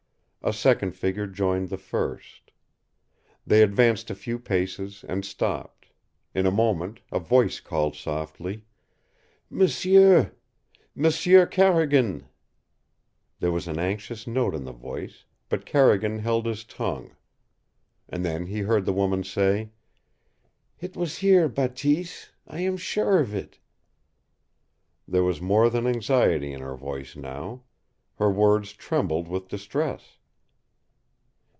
A second figure joined the first. They advanced a few paces and stopped. In a moment a voice called softly, "M'sieu! M'sieu Carrigan!" There was an anxious note in the voice, but Carrigan held his tongue. And then he heard the woman say, "It was here, Bateese! I am sure of it!" There was more than anxiety in her voice now. Her words trembled with distress.